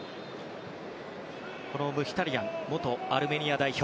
ムヒタリアンは元アルメニア代表。